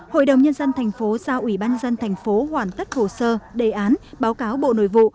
hội đồng nhân dân tp hcm giao ủy ban dân tp hcm hoàn tất hồ sơ đề án báo cáo bộ nội vụ